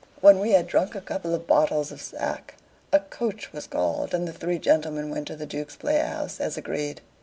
When we had drunk a couple of bottles of sack, a coach was called, and the three gentlemen went to the Duke's Playhouse, as agreed.